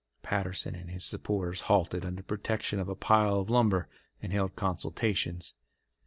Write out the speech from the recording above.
Patterson and his supporters halted under protection of a pile of lumber and held consultations.